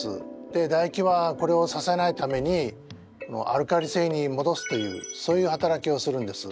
でだ液はこれをさせないためにアルカリ性にもどすというそういう働きをするんです。